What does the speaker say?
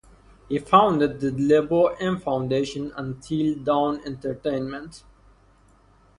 He founded the Lebo M Foundation and Till Dawn Entertainment.